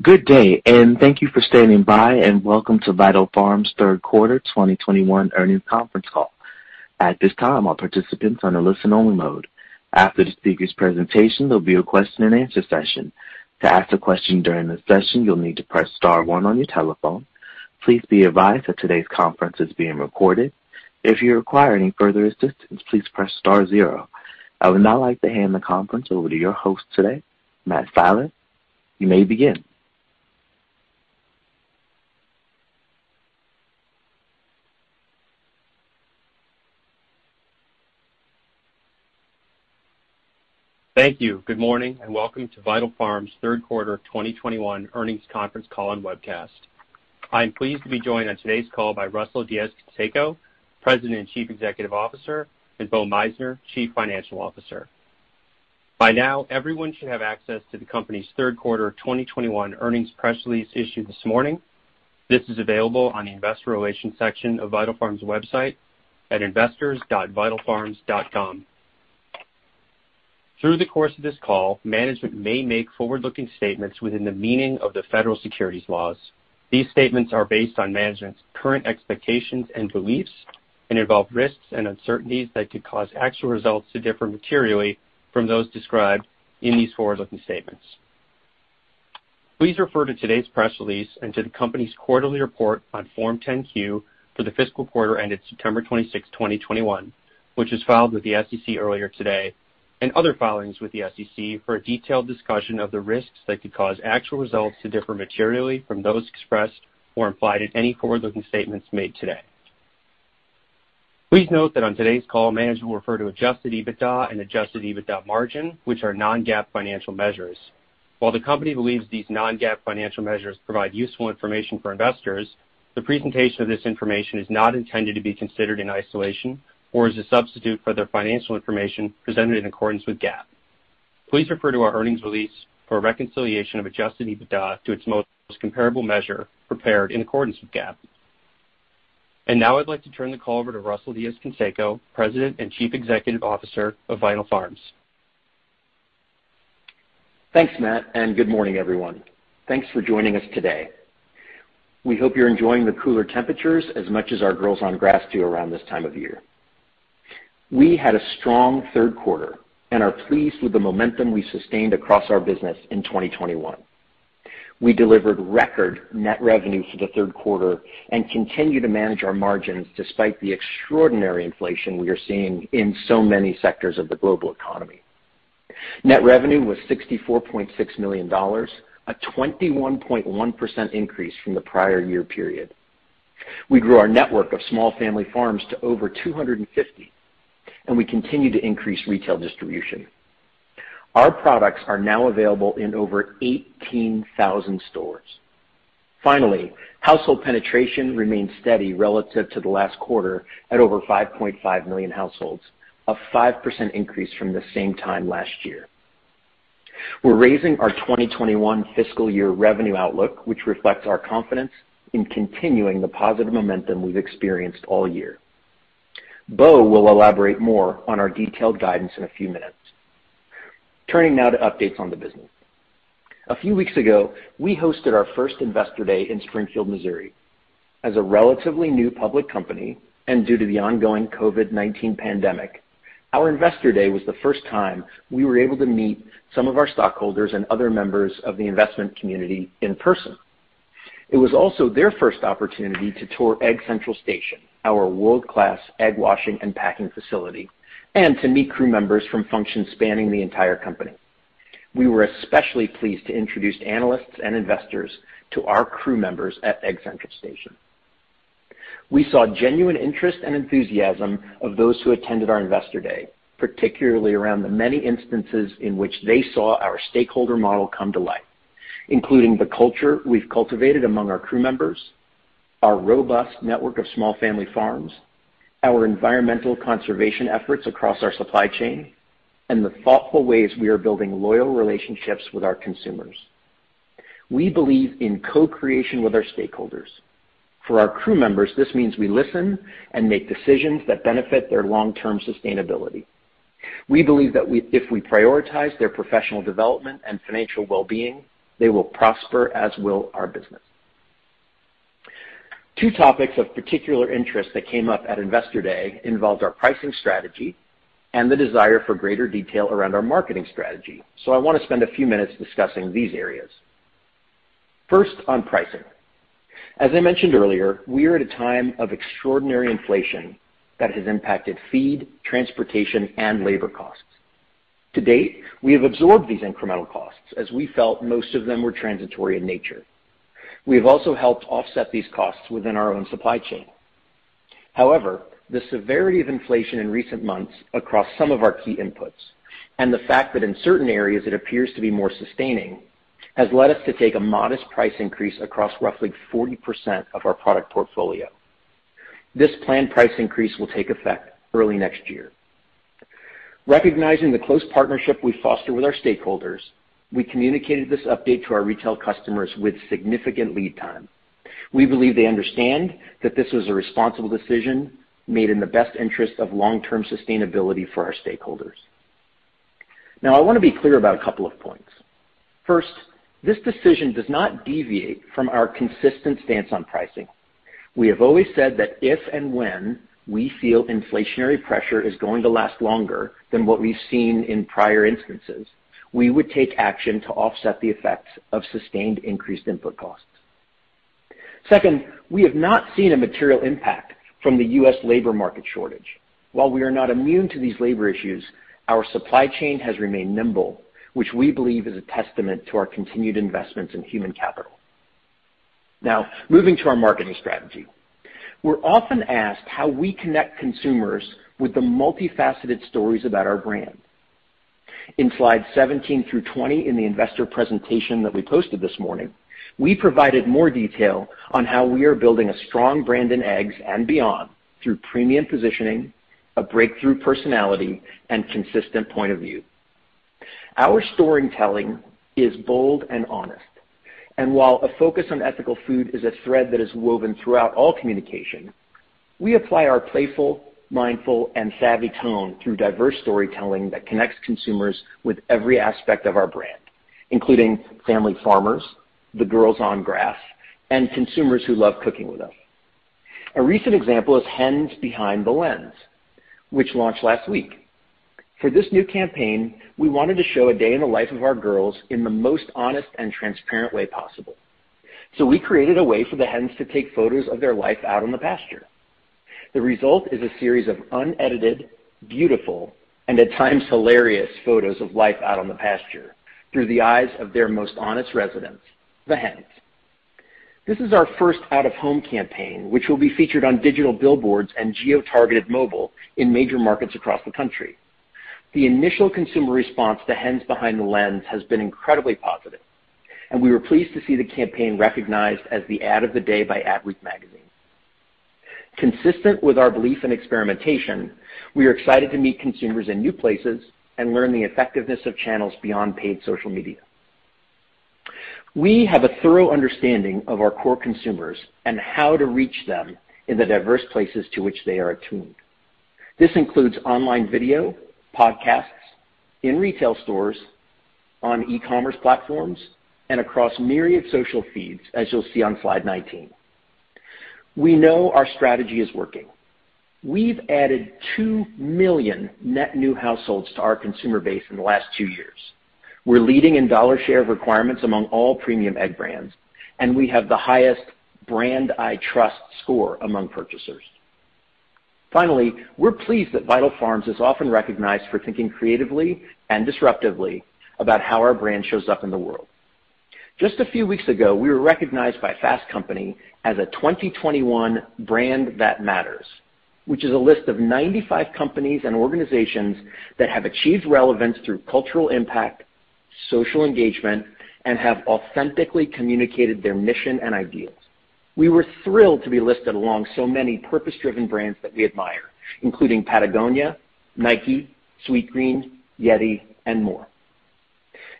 Good day, and thank you for standing by, and welcome to Vital Farms third quarter 2021 earnings conference call. At this time, all participants are in a listen-only mode. After the speaker's presentation, there'll be a question-and-answer session. To ask a question during the session, you'll need to press star one on your telephone. Please be advised that today's conference is being recorded. If you require any further assistance, please press star zero. I would now like to hand the conference over to your host today, Matt Siler. You may begin. Thank you. Good morning, and welcome to Vital Farms third quarter of 2021 earnings conference call and webcast. I'm pleased to be joined on today's call by Russell Diez-Canseco, President and Chief Executive Officer, and Bo Meissner, Chief Financial Officer. By now, everyone should have access to the company's third quarter of 2021 earnings press release issued this morning. This is available on the investor relations section of Vital Farms' website at investors.vitalfarms.com. Through the course of this call, management may make forward-looking statements within the meaning of the federal securities laws. These statements are based on management's current expectations and beliefs and involve risks and uncertainties that could cause actual results to differ materially from those described in these forward-looking statements. Please refer to today's press release and to the company's quarterly report on Form 10-Q for the fiscal quarter ended September 26, 2021, which was filed with the SEC earlier today, and other filings with the SEC for a detailed discussion of the risks that could cause actual results to differ materially from those expressed or implied at any forward-looking statements made today. Please note that on today's call, management will refer to adjusted EBITDA and adjusted EBITDA margin, which are non-GAAP financial measures. While the company believes these non-GAAP financial measures provide useful information for investors, the presentation of this information is not intended to be considered in isolation or as a substitute for their financial information presented in accordance with GAAP. Please refer to our earnings release for a reconciliation of adjusted EBITDA to its most comparable measure prepared in accordance with GAAP. Now I'd like to turn the call over to Russell Diez-Canseco, President and Chief Executive Officer of Vital Farms. Thanks, Matt, and good morning, everyone. Thanks for joining us today. We hope you're enjoying the cooler temperatures as much as our girls on grass do around this time of year. We had a strong third quarter and are pleased with the momentum we sustained across our business in 2021. We delivered record net revenue for the third quarter and continue to manage our margins despite the extraordinary inflation we are seeing in so many sectors of the global economy. Net revenue was $64.6 million, a 21.1% increase from the prior year period. We grew our network of small family farms to over 250, and we continue to increase retail distribution. Our products are now available in over 18,000 stores. Finally, household penetration remains steady relative to the last quarter at over 5.5 million households, a 5% increase from the same time last year. We're raising our 2021 fiscal year revenue outlook, which reflects our confidence in continuing the positive momentum we've experienced all year. Bo will elaborate more on our detailed guidance in a few minutes. Turning now to updates on the business. A few weeks ago, we hosted our first Investor Day in Springfield, Missouri. As a relatively new public company, and due to the ongoing COVID-19 pandemic, our Investor Day was the first time we were able to meet some of our stockholders and other members of the investment community in person. It was also their first opportunity to tour Egg Central Station, our world-class egg washing and packing facility, and to meet crew members from functions spanning the entire company. We were especially pleased to introduce analysts and investors to our crew members at Egg Central Station. We saw genuine interest and enthusiasm of those who attended our Investor Day, particularly around the many instances in which they saw our stakeholder model come to life, including the culture we've cultivated among our crew members, our robust network of small family farms, our environmental conservation efforts across our supply chain, and the thoughtful ways we are building loyal relationships with our consumers. We believe in co-creation with our stakeholders. For our crew members, this means we listen and make decisions that benefit their long-term sustainability. We believe if we prioritize their professional development and financial well-being, they will prosper, as will our business. Two topics of particular interest that came up at Investor Day involved our pricing strategy and the desire for greater detail around our marketing strategy. I wanna spend a few minutes discussing these areas. First, on pricing. As I mentioned earlier, we are at a time of extraordinary inflation that has impacted feed, transportation, and labor costs. To date, we have absorbed these incremental costs as we felt most of them were transitory in nature. We have also helped offset these costs within our own supply chain. However, the severity of inflation in recent months across some of our key inputs and the fact that in certain areas it appears to be more sustaining, has led us to take a modest price increase across roughly 40% of our product portfolio. This planned price increase will take effect early next year. Recognizing the close partnership we foster with our stakeholders, we communicated this update to our retail customers with significant lead time. We believe they understand that this was a responsible decision made in the best interest of long-term sustainability for our stakeholders. Now, I wanna be clear about a couple of points. First, this decision does not deviate from our consistent stance on pricing. We have always said that if and when we feel inflationary pressure is going to last longer than what we've seen in prior instances, we would take action to offset the effects of sustained increased input costs. Second, we have not seen a material impact from the U.S. labor market shortage. While we are not immune to these labor issues, our supply chain has remained nimble, which we believe is a testament to our continued investments in human capital. Now, moving to our marketing strategy. We're often asked how we connect consumers with the multifaceted stories about our brand. In slide 17 through 20 in the investor presentation that we posted this morning, we provided more detail on how we are building a strong brand in eggs and beyond through premium positioning, a breakthrough personality, and consistent point of view. Our storytelling is bold and honest. While a focus on ethical food is a thread that is woven throughout all communication, we apply our playful, mindful, and savvy tone through diverse storytelling that connects consumers with every aspect of our brand, including family farmers, the girls on grass, and consumers who love cooking with us. A recent example is Hens Behind the Lens, which launched last week. For this new campaign, we wanted to show a day in the life of our girls in the most honest and transparent way possible. We created a way for the hens to take photos of their life out on the pasture. The result is a series of unedited, beautiful, and at times hilarious photos of life out on the pasture through the eyes of their most honest residents, the hens. This is our first out-of-home campaign, which will be featured on digital billboards and geotargeted mobile in major markets across the country. The initial consumer response to Hens Behind the Lens has been incredibly positive, and we were pleased to see the campaign recognized as the Ad of the Day by ADWEEK magazine. Consistent with our belief in experimentation, we are excited to meet consumers in new places and learn the effectiveness of channels beyond paid social media. We have a thorough understanding of our core consumers and how to reach them in the diverse places to which they are attuned. This includes online video, podcasts, in retail stores, on e-commerce platforms, and across myriad social feeds, as you'll see on slide 19. We know our strategy is working. We've added 2 million net new households to our consumer base in the last two years. We're leading in dollar share requirements among all premium egg brands, and we have the highest brand I trust score among purchasers. Finally, we're pleased that Vital Farms is often recognized for thinking creatively and disruptively about how our brand shows up in the world. Just a few weeks ago, we were recognized by Fast Company as a 2021 Brands That Matters, which is a list of 95 companies and organizations that have achieved relevance through cultural impact, social engagement, and have authentically communicated their mission and ideals. We were thrilled to be listed along so many purpose-driven brands that we admire, including Patagonia, Nike, Sweetgreen, YETI, and more.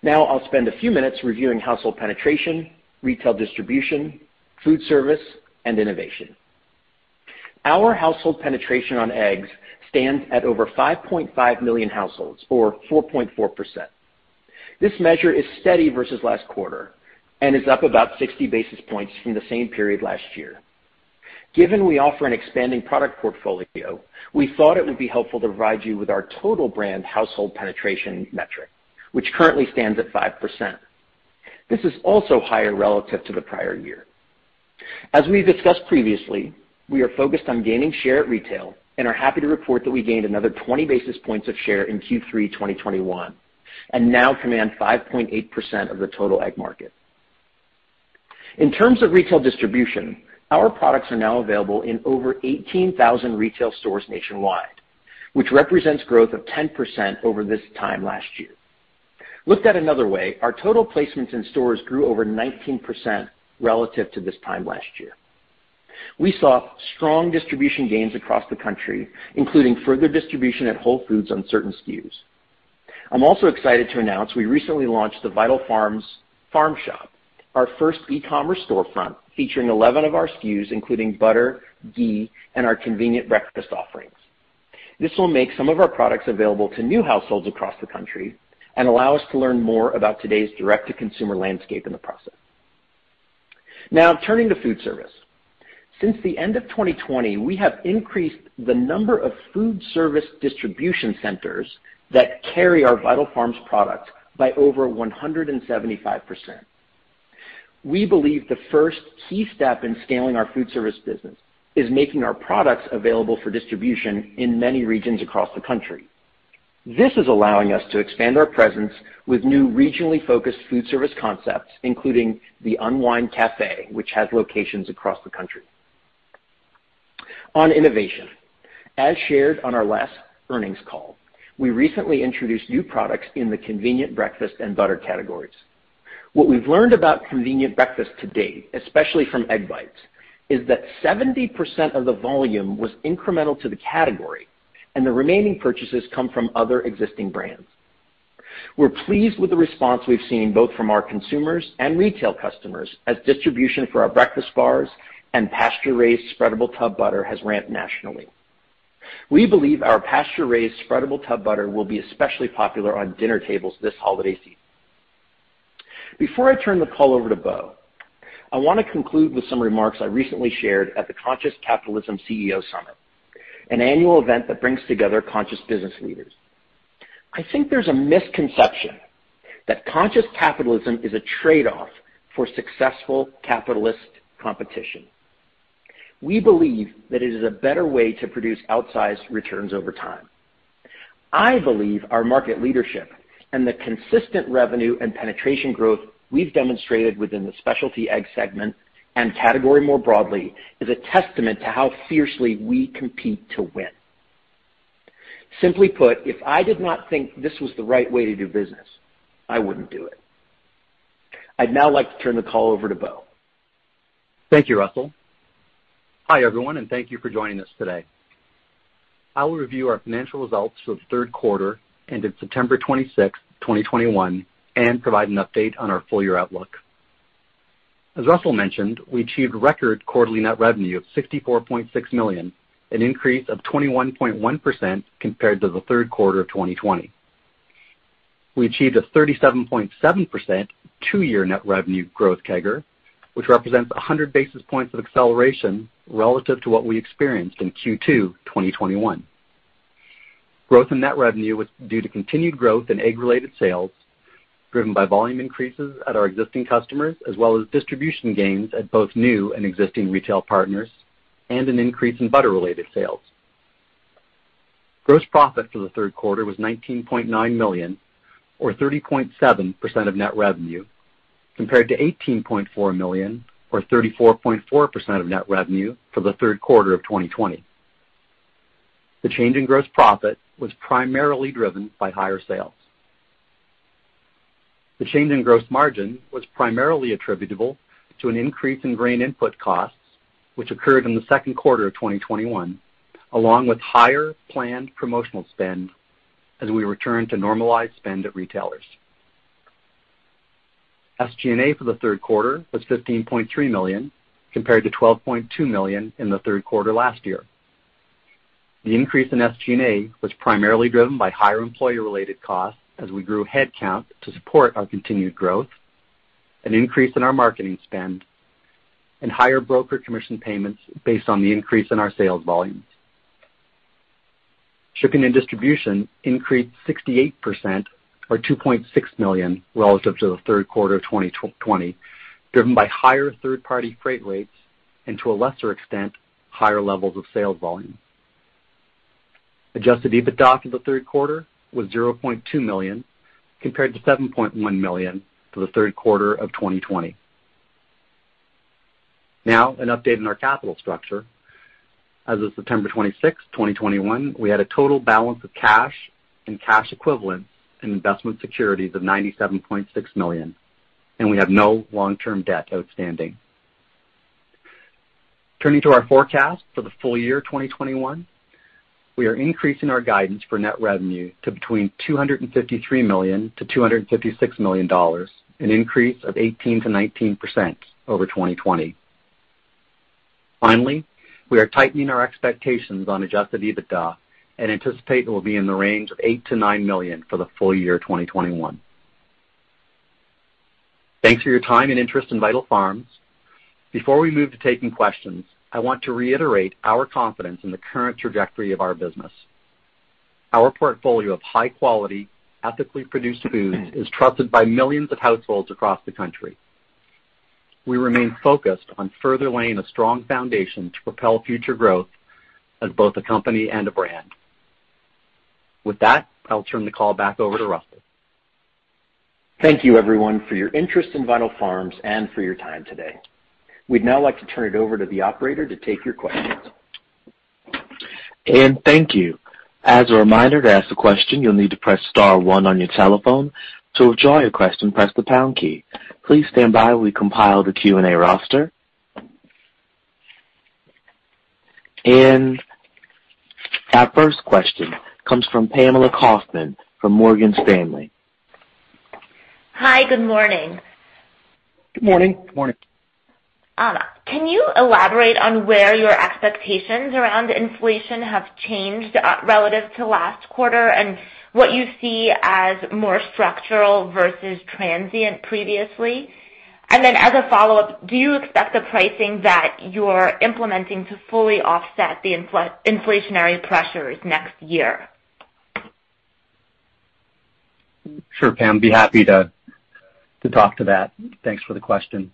Now I'll spend a few minutes reviewing household penetration, retail distribution, food service, and innovation. Our household penetration on eggs stands at over 5.5 million households or 4.4%. This measure is steady versus last quarter and is up about 60 basis points from the same period last year. Given we offer an expanding product portfolio, we thought it would be helpful to provide you with our total brand household penetration metric, which currently stands at 5%. This is also higher relative to the prior year. As we've discussed previously, we are focused on gaining share at retail and are happy to report that we gained another 20 basis points of share in Q3 2021, and now command 5.8% of the total egg market. In terms of retail distribution, our products are now available in over 18,000 retail stores nationwide, which represents growth of 10% over this time last year. Looked at another way, our total placements in stores grew over 19% relative to this time last year. We saw strong distribution gains across the country, including further distribution at Whole Foods on certain SKUs. I'm also excited to announce we recently launched the Vital Farms' Farm Shop, our first e-commerce storefront featuring 11 of our SKUs, including butter, ghee, and our convenient breakfast offerings. This will make some of our products available to new households across the country and allow us to learn more about today's direct-to-consumer landscape in the process. Now turning to food service. Since the end of 2020, we have increased the number of food service distribution centers that carry our Vital Farms products by over 175%. We believe the first key step in scaling our food service business is making our products available for distribution in many regions across the country. This is allowing us to expand our presence with new regionally focused food service concepts, including the Unwind Cafe, which has locations across the country. On innovation. As shared on our last earnings call, we recently introduced new products in the convenient breakfast and butter categories. What we've learned about convenient breakfast to date, especially from Egg Bites, is that 70% of the volume was incremental to the category, and the remaining purchases come from other existing brands. We're pleased with the response we've seen both from our consumers and retail customers as distribution for our Breakfast Bars and pasture-raised spreadable tub butter has ramped nationally. We believe our pasture-raised spreadable tub butter will be especially popular on dinner tables this holiday season. Before I turn the call over to Bo, I wanna conclude with some remarks I recently shared at the Conscious Capitalism CEO Summit, an annual event that brings together conscious business leaders. I think there's a misconception that Conscious Capitalism is a trade-off for successful capitalist competition. We believe that it is a better way to produce outsized returns over time. I believe our market leadership and the consistent revenue and penetration growth we've demonstrated within the specialty egg segment and category more broadly is a testament to how fiercely we compete to win. Simply put, if I did not think this was the right way to do business, I wouldn't do it. I'd now like to turn the call over to Bo. Thank you, Russell. Hi, everyone, and thank you for joining us today. I will review our financial results for the third quarter ended September 26, 2021, and provide an update on our full-year outlook. As Russell mentioned, we achieved record quarterly net revenue of $64.6 million, an increase of 21.1% compared to the third quarter of 2020. We achieved a 37.7% two-year net revenue growth CAGR, which represents 100 basis points of acceleration relative to what we experienced in Q2 2021. Growth in net revenue was due to continued growth in egg-related sales, driven by volume increases at our existing customers, as well as distribution gains at both new and existing retail partners and an increase in butter-related sales. Gross profit for the third quarter was $19.9 million or 30.7% of net revenue, compared to $18.4 million or 34.4% of net revenue for the third quarter of 2020. The change in gross profit was primarily driven by higher sales. The change in gross margin was primarily attributable to an increase in grain input costs, which occurred in the second quarter of 2021, along with higher planned promotional spend as we return to normalized spend at retailers. SG&A for the third quarter was $15.3 million, compared to $12.2 million in the third quarter last year. The increase in SG&A was primarily driven by higher employer-related costs as we grew headcount to support our continued growth, an increase in our marketing spend, and higher broker commission payments based on the increase in our sales volumes. Shipping and distribution increased 68% or $2.6 million relative to the third quarter of 2020, driven by higher third-party freight rates and to a lesser extent, higher levels of sales volume. Adjusted EBITDA for the third quarter was $0.2 million, compared to $7.1 million for the third quarter of 2020. Now, an update on our capital structure. As of September 26, 2021, we had a total balance of cash and cash equivalents in investment securities of $97.6 million, and we have no long-term debt outstanding. Turning to our forecast for the full year 2021, we are increasing our guidance for net revenue to between $253 million-$256 million, an increase of 18%-19% over 2020. Finally, we are tightening our expectations on adjusted EBITDA and anticipate it will be in the range of $8 million-$9 million for the full year 2021. Thanks for your time and interest in Vital Farms. Before we move to taking questions, I want to reiterate our confidence in the current trajectory of our business. Our portfolio of high-quality, ethically produced foods is trusted by millions of households across the country. We remain focused on further laying a strong foundation to propel future growth as both a company and a brand. With that, I'll turn the call back over to Russell. Thank you everyone for your interest in Vital Farms and for your time today. We'd now like to turn it over to the operator to take your questions. Thank you. As a reminder, to ask a question, you'll need to press star one on your telephone. To withdraw your question, press the pound key. Please stand by while we compile the Q&A roster. Our first question comes from Pamela Kaufman from Morgan Stanley. Hi. Good morning. Good morning. Good morning. Can you elaborate on where your expectations around inflation have changed, relative to last quarter and what you see as more structural versus transient previously? As a follow-up, do you expect the pricing that you're implementing to fully offset the inflationary pressures next year? Sure, Pam. Be happy to talk to that. Thanks for the question.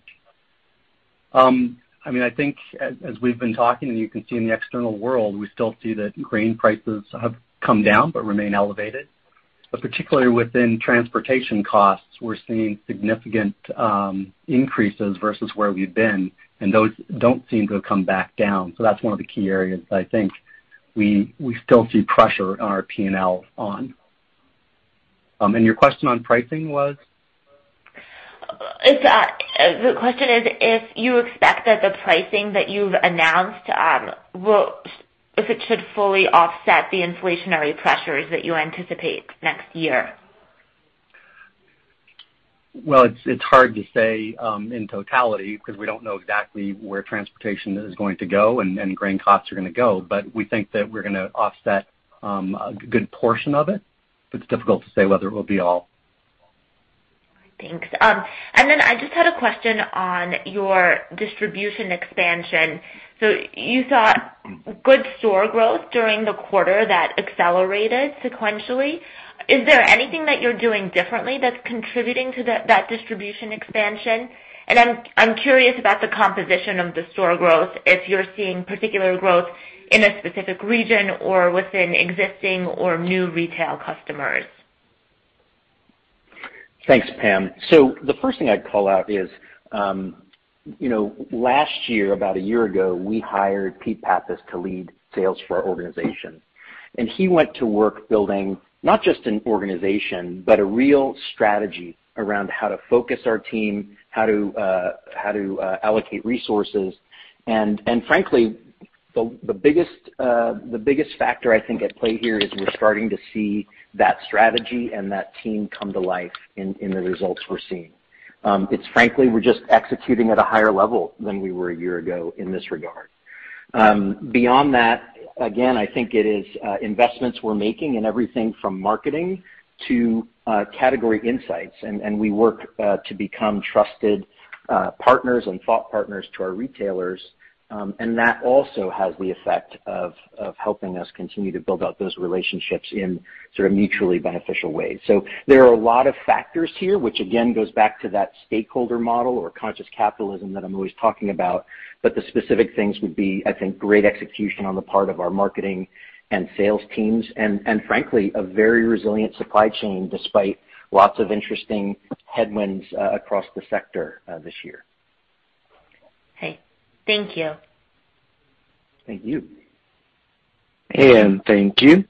I mean, I think as we've been talking and you can see in the external world, we still see that grain prices have come down but remain elevated. Particularly within transportation costs, we're seeing significant increases versus where we've been, and those don't seem to have come back down. That's one of the key areas I think we still see pressure on our P&L. Your question on pricing was? The question is, if you expect that the pricing that you've announced will fully offset the inflationary pressures that you anticipate next year. Well, it's hard to say in totality because we don't know exactly where transportation is going to go and grain costs are gonna go. We think that we're gonna offset a good portion of it. It's difficult to say whether it will be all. Thanks. I just had a question on your distribution expansion. You saw good store growth during the quarter that accelerated sequentially. Is there anything that you're doing differently that's contributing to that distribution expansion? I'm curious about the composition of the store growth, if you're seeing particular growth in a specific region or within existing or new retail customers. Thanks, Pam. The first thing I'd call out is, you know, last year, about a year ago, we hired Pete Pappas to lead sales for our organization. He went to work building not just an organization, but a real strategy around how to focus our team, how to allocate resources. Frankly, the biggest factor I think at play here is we're starting to see that strategy and that team come to life in the results we're seeing. It's frankly, we're just executing at a higher level than we were a year ago in this regard. Beyond that, again, I think it is investments we're making in everything from marketing to category insights, and we work to become trusted partners and thought partners to our retailers. That also has the effect of helping us continue to build out those relationships in sort of mutually beneficial ways. There are a lot of factors here, which again goes back to that stakeholder model or Conscious Capitalism that I'm always talking about. The specific things would be, I think, great execution on the part of our marketing and sales teams and frankly, a very resilient supply chain despite lots of interesting headwinds across the sector this year. Okay. Thank you. Thank you. Thank you.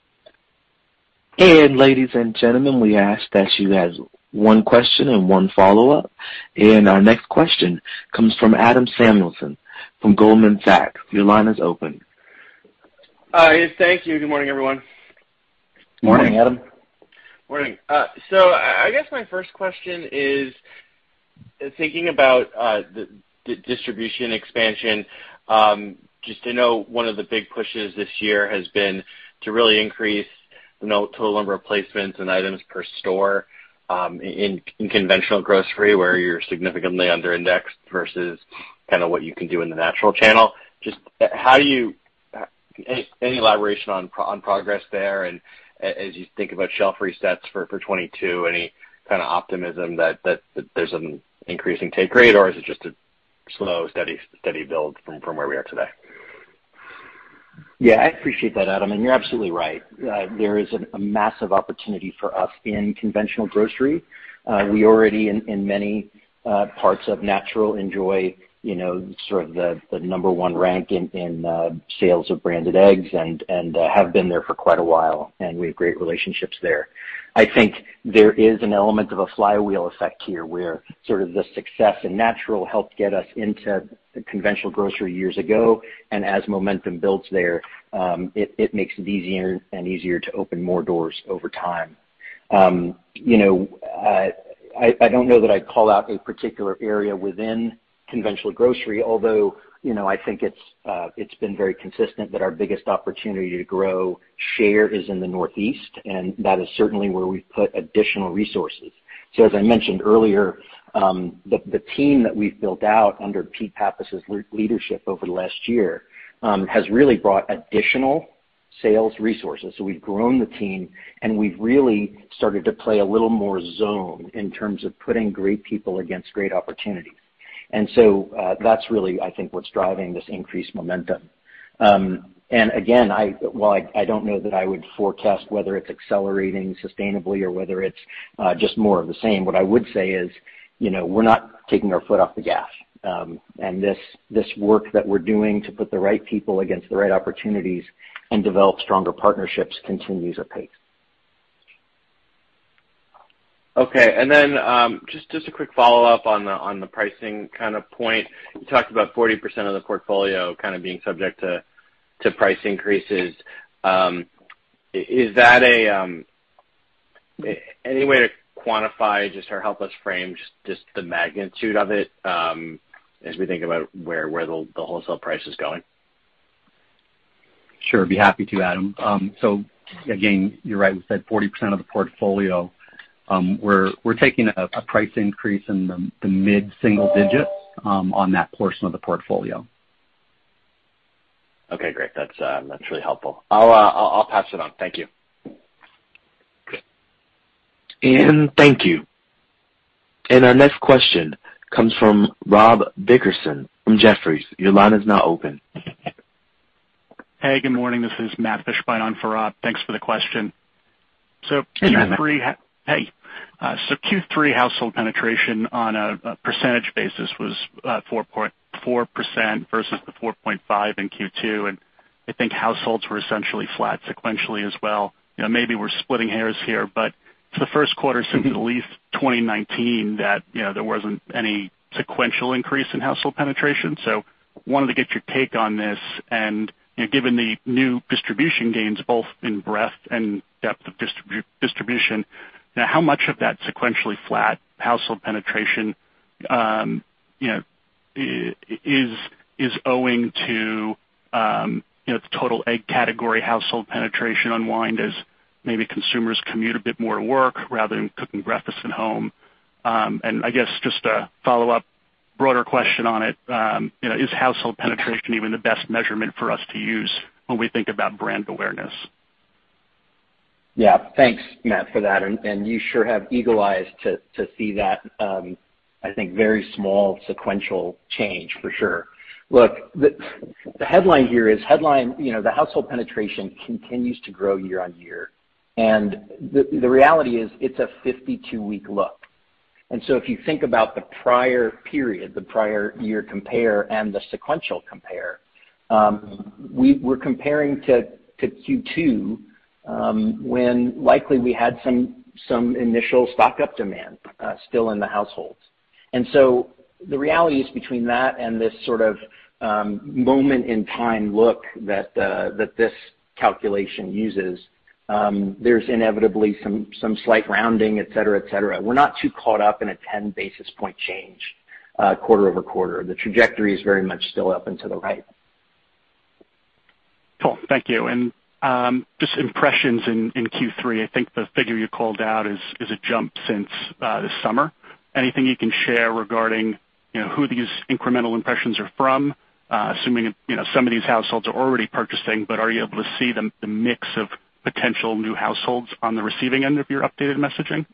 Ladies and gentlemen, we ask that you ask one question and one follow-up. Our next question comes from Adam Samuelson from Goldman Sachs. Your line is open. Thank you. Good morning, everyone. Morning, Adam. Morning. I guess my first question is thinking about the distribution expansion, just, you know, one of the big pushes this year has been to really increase, you know, total number of placements and items per store, in conventional grocery where you're significantly under-indexed versus kinda what you can do in the natural channel. Any elaboration on progress there? As you think about shelf resets for 2022, any kinda optimism that there's an increasing take rate, or is it just a slow, steady build from where we are today? Yeah, I appreciate that, Adam, and you're absolutely right. There is a massive opportunity for us in conventional grocery. We already, in many parts of natural, enjoy you know sort of the number one rank in sales of branded eggs and have been there for quite a while, and we have great relationships there. I think there is an element of a flywheel effect here, where sort of the success in natural helped get us into conventional grocery years ago, and as momentum builds there, it makes it easier and easier to open more doors over time. You know, I don't know that I'd call out a particular area within conventional grocery, although, you know, I think it's been very consistent that our biggest opportunity to grow share is in the Northeast, and that is certainly where we've put additional resources. As I mentioned earlier, the team that we've built out under Pete Pappas's leadership over the last year has really brought additional sales resources. We've grown the team, and we've really started to play a little more zone in terms of putting great people against great opportunities. That's really, I think, what's driving this increased momentum. Again, while I don't know that I would forecast whether it's accelerating sustainably or whether it's just more of the same, what I would say is, you know, we're not taking our foot off the gas. This work that we're doing to put the right people against the right opportunities and develop stronger partnerships continues apace. Okay. Just a quick follow-up on the pricing kind of point. You talked about 40% of the portfolio kind of being subject to price increases. Any way to quantify just or help us frame just the magnitude of it, as we think about where the wholesale price is going? Sure, I'd be happy to, Adam. Again, you're right. We said 40% of the portfolio. We're taking a price increase in the mid-single digits on that portion of the portfolio. Okay, great. That's really helpful. I'll pass it on. Thank you. Thank you. Our next question comes from Rob Dickerson from Jefferies. Your line is now open. Hey, good morning. This is Matt Fishbein on for Rob. Thanks for the question. Q3- Hey, Matt. Hey. Q3 household penetration on a percentage basis was 4.4% versus the 4.5% in Q2. I think households were essentially flat sequentially as well. You know, maybe we're splitting hairs here, but it's the first quarter since at least 2019 that, you know, there wasn't any sequential increase in household penetration. Wanted to get your take on this and, you know, given the new distribution gains both in breadth and depth of distribution, now how much of that sequentially flat household penetration, you know, is owing to, you know, the total egg category household penetration unwind as maybe consumers commute a bit more to work rather than cooking breakfast at home. I guess just a follow-up broader question on it, you know, is household penetration even the best measurement for us to use when we think about brand awareness? Yeah. Thanks, Matt, for that. You sure have eagle eyes to see that. I think very small sequential change for sure. Look, the headline here is headline, you know, the household penetration continues to grow year-on-year. The reality is it's a 52-week look. If you think about the prior period, the prior year compare and the sequential compare, we're comparing to Q2, when likely we had some initial stock up demand still in the households. The reality is between that and this sort of moment in time look that this calculation uses, there's inevitably some slight rounding et cetera. We're not too caught up in a 10 basis point change quarter-over-quarter. The trajectory is very much still up and to the right. Cool. Thank you. Just impressions in Q3. I think the figure you called out is a jump since the summer. Anything you can share regarding, you know, who these incremental impressions are from, assuming, you know, some of these households are already purchasing, but are you able to see the mix of potential new households on the receiving end of your updated messaging?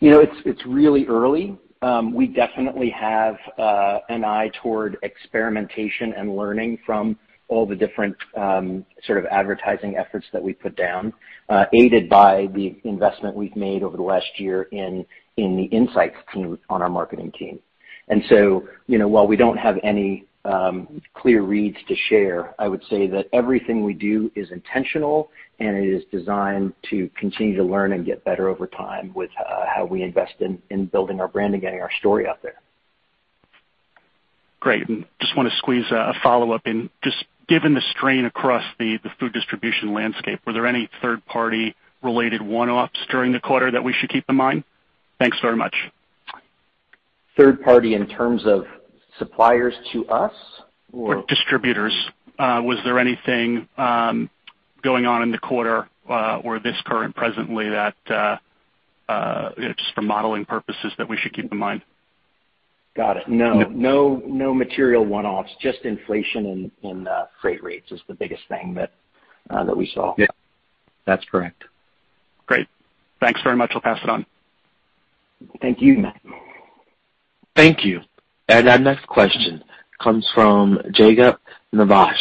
You know, it's really early. We definitely have an eye toward experimentation and learning from all the different sort of advertising efforts that we put down, aided by the investment we've made over the last year in the insights team on our marketing team. You know, while we don't have any clear reads to share, I would say that everything we do is intentional and it is designed to continue to learn and get better over time with how we invest in building our brand and getting our story out there. Great. Just wanna squeeze a follow-up in. Just given the strain across the food distribution landscape, were there any third-party related one-offs during the quarter that we should keep in mind? Thanks very much. Third-party in terms of suppliers to us or- Distributors. Was there anything going on in the quarter, or this current presently that just for modeling purposes that we should keep in mind? Got it. No. No. No, no material one-offs, just inflation in freight rates is the biggest thing that we saw. Yeah. That's correct. Great. Thanks very much. I'll pass it on. Thank you, Matt. Thank you. Our next question comes from Jacob Nivasch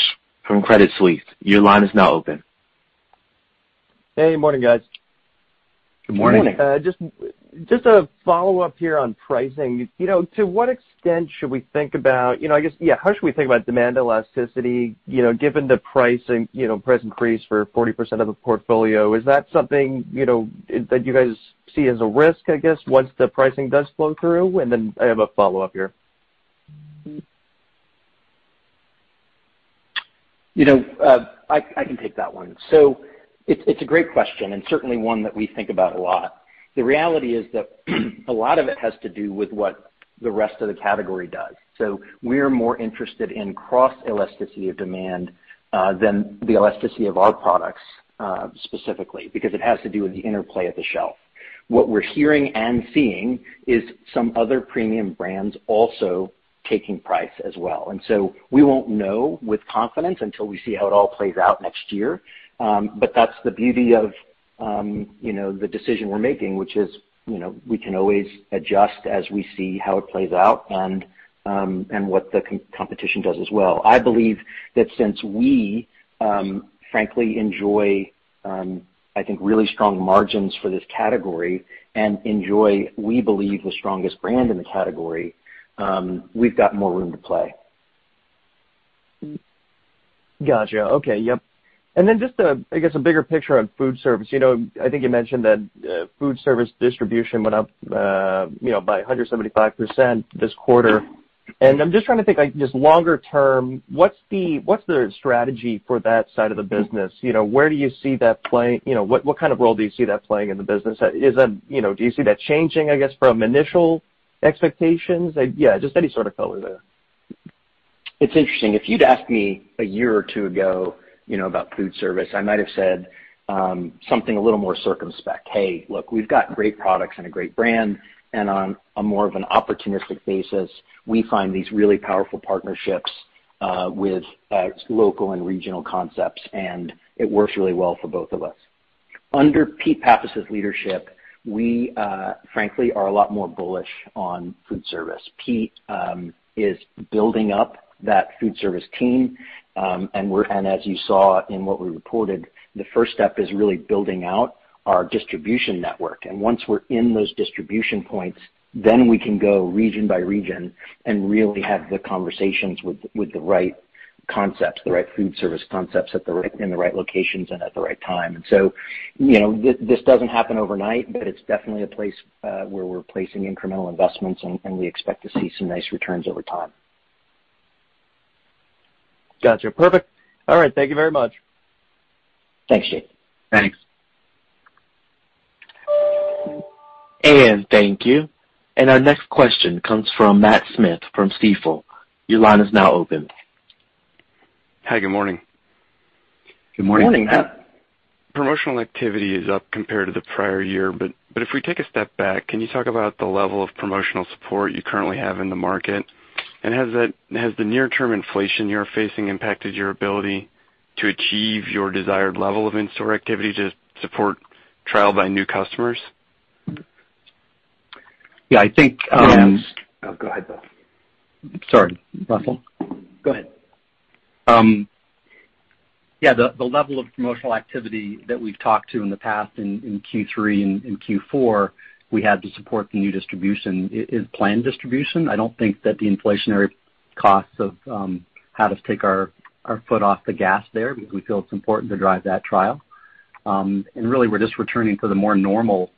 from Credit Suisse. Your line is now open. Hey, morning, guys. Good morning. Just a follow-up here on pricing. You know, to what extent should we think about, you know, I guess, yeah, how should we think about demand elasticity, you know, given the pricing, you know, price increase for 40% of the portfolio? Is that something, you know, that you guys see as a risk, I guess, once the pricing does flow through? Then I have a follow-up here. You know, I can take that one. It's a great question and certainly one that we think about a lot. The reality is that a lot of it has to do with what the rest of the category does. We're more interested in cross elasticity of demand than the elasticity of our products, specifically because it has to do with the interplay at the shelf. What we're hearing and seeing is some other premium brands also taking price as well. We won't know with confidence until we see how it all plays out next year. But that's the beauty of you know, the decision we're making, which is you know, we can always adjust as we see how it plays out and what the competition does as well. I believe that since we frankly enjoy, I think, really strong margins for this category and enjoy, we believe, the strongest brand in the category, we've got more room to play. Gotcha. Okay. Yep. Just a, I guess, a bigger picture on food service. You know, I think you mentioned that, food service distribution went up, you know, by 175% this quarter. I'm just trying to think, like, just longer term, what's the strategy for that side of the business? You know, where do you see that playing? You know, what kind of role do you see that playing in the business? Is that, you know, do you see that changing, I guess, from initial expectations? Yeah, just any sort of color there. It's interesting. If you'd asked me a year or two ago, you know, about food service, I might have said something a little more circumspect. Hey, look, we've got great products and a great brand, and on a more of an opportunistic basis, we find these really powerful partnerships with local and regional concepts, and it works really well for both of us. Under Pete Pappas' leadership, we frankly are a lot more bullish on food service. Pete is building up that food service team. As you saw in what we reported, the first step is really building out our distribution network. Once we're in those distribution points, then we can go region by region and really have the conversations with the right concepts, the right food service concepts in the right locations and at the right time. You know, this doesn't happen overnight, but it's definitely a place where we're placing incremental investments and we expect to see some nice returns over time. Gotcha. Perfect. All right. Thank you very much. Thanks, Jacob. Thanks. Thank you. Our next question comes from Matt Smith from Stifel. Your line is now open. Hi. Good morning. Good morning. Morning, Matt. Promotional activity is up compared to the prior year. If we take a step back, can you talk about the level of promotional support you currently have in the market? Has the near term inflation you're facing impacted your ability to achieve your desired level of in-store activity to support trial by new customers? Yeah, I think. Yeah. Oh, go ahead, Bo. Sorry, Russell. Go ahead. Yeah, the level of promotional activity that we've talked about in the past in Q3 and in Q4, we had to support the new distribution in planned distribution. I don't think that the inflationary costs had us take our foot off the gas there because we feel it's important to drive that trial. Really we're just returning to the more normal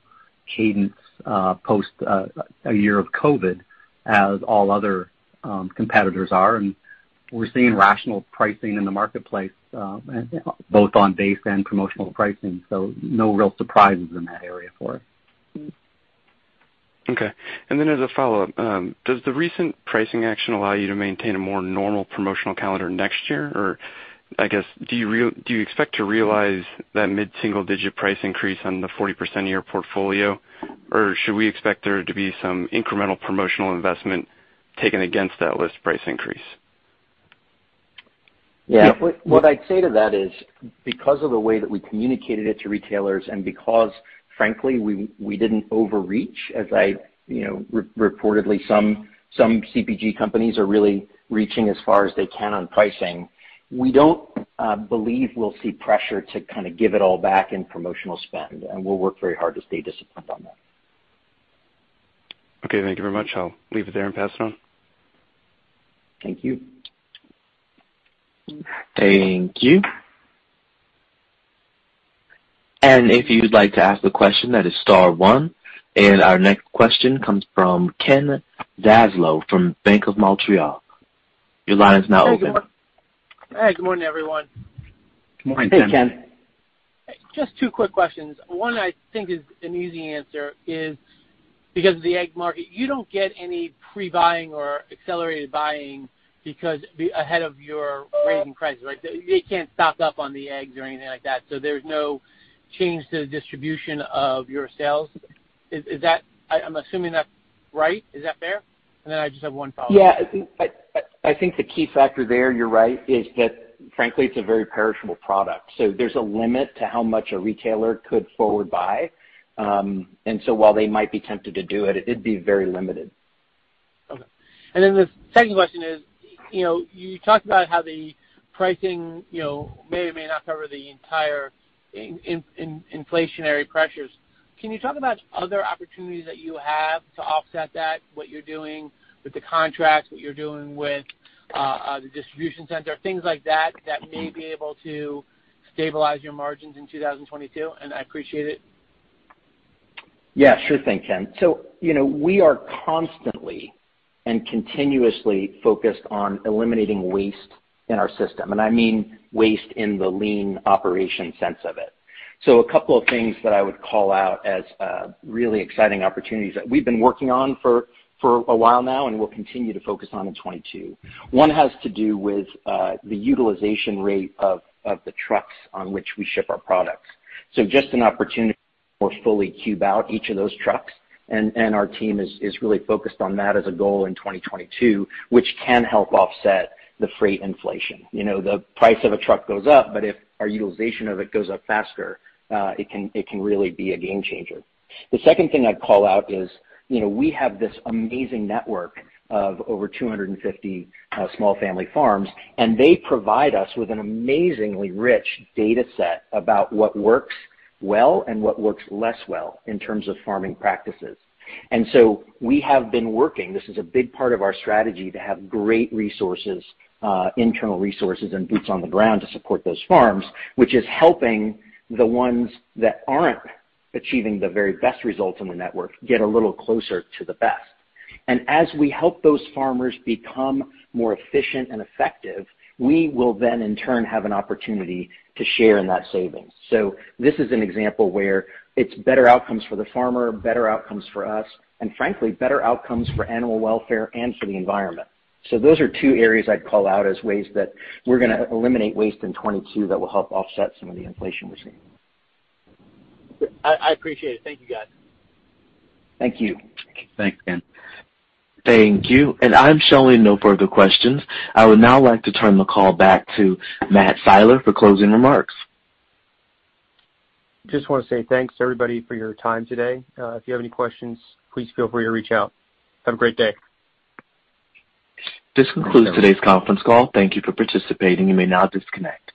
cadence post a year of COVID as all other competitors are. We're seeing rational pricing in the marketplace both on base and promotional pricing, so no real surprises in that area for us. Okay. As a follow-up, does the recent pricing action allow you to maintain a more normal promotional calendar next year? Or I guess, do you expect to realize that mid-single digit price increase on the 40% of your portfolio, or should we expect there to be some incremental promotional investment taken against that list price increase? Yeah. What I'd say to that is because of the way that we communicated it to retailers and because frankly we didn't overreach as I, you know, reportedly some CPG companies are really reaching as far as they can on pricing. We don't believe we'll see pressure to kind of give it all back in promotional spend, and we'll work very hard to stay disciplined on that. Okay. Thank you very much. I'll leave it there and pass it on. Thank you. Thank you. If you'd like to ask the question, that is star one. Our next question comes from Ken Zaslow from Bank of Montreal. Your line is now open. Hey, good morning. Hey, good morning, everyone. Good morning, Ken. Hey, Ken. Just two quick questions. One I think is an easy answer is because of the egg market, you don't get any pre-buying or accelerated buying because ahead of your raising prices, right? You can't stock up on the eggs or anything like that, so there's no change to the distribution of your sales. Is that? I'm assuming that's right. Is that fair? Then I just have one follow-up. Yeah. I think the key factor there, you're right, is that frankly it's a very perishable product, so there's a limit to how much a retailer could forward buy. While they might be tempted to do it'd be very limited. Okay. The second question is, you know, you talked about how the pricing, you know, may or may not cover the entire in inflationary pressures. Can you talk about other opportunities that you have to offset that, what you're doing with the contracts, what you're doing with the distribution center, things like that may be able to stabilize your margins in 2022? I appreciate it. Yeah, sure thing, Ken. You know, we are constantly and continuously focused on eliminating waste in our system, and I mean waste in the lean operation sense of it. A couple of things that I would call out as really exciting opportunities that we've been working on for a while now and will continue to focus on in 2022. One has to do with the utilization rate of the trucks on which we ship our products. Just an opportunity to more fully cube out each of those trucks and our team is really focused on that as a goal in 2022, which can help offset the freight inflation. You know, the price of a truck goes up, but if our utilization of it goes up faster, it can really be a game changer. The second thing I'd call out is, you know, we have this amazing network of over 250 small family farms, and they provide us with an amazingly rich data set about what works well and what works less well in terms of farming practices. We have been working. This is a big part of our strategy to have great resources, internal resources and boots on the ground to support those farms, which is helping the ones that aren't achieving the very best results in the network get a little closer to the best. As we help those farmers become more efficient and effective, we will then in turn have an opportunity to share in that savings. This is an example where it's better outcomes for the farmer, better outcomes for us, and frankly, better outcomes for animal welfare and for the environment. Those are two areas I'd call out as ways that we're gonna eliminate waste in 2022 that will help offset some of the inflation we're seeing. I appreciate it. Thank you, guys. Thank you. Thanks, Ken. Thank you. I'm showing no further questions. I would now like to turn the call back to Matt Siler for closing remarks. Just wanna say thanks to everybody for your time today. If you have any questions, please feel free to reach out. Have a great day. This concludes today's conference call. Thank you for participating. You may now disconnect.